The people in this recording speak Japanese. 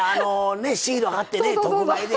シール貼ってね特売で。